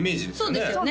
そうですよね